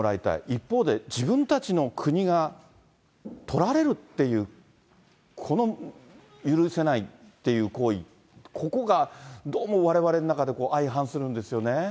一方で、自分たちの国が取られるっていう、この許せないっていう行為、ここがどうもわれわれの中で相反するんですよね。